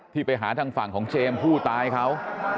ที่ไปหาทางฝั่งของเจมส์ผู้ตายเขา